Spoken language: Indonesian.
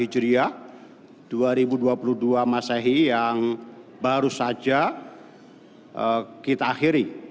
ini adalah dua ribu dua puluh dua masyahi yang baru saja kita akhiri